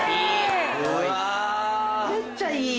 めっちゃいい。